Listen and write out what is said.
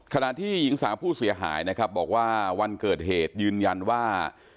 ขณะที่หญิงสาวผู้เสียหายนะครับบอกว่าวันเกิดเหตุยืนยันว่า